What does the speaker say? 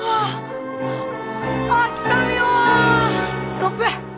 ストップ！